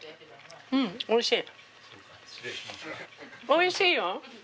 おいしいよ！